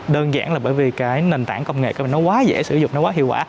đơn giản là bởi vì cái nền tảng công nghệ nó quá dễ sử dụng nó quá hiệu quả